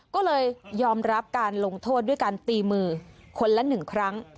ก็เลยยอมรับการลงโทษด้วยการตีมือคนละ๑ครั้ง